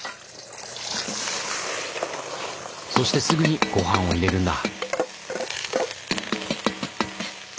そしてすぐにごはんを入れるんだ。